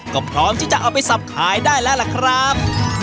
ก็พร้อมที่จะเอาไปสับขายได้แล้วล่ะครับ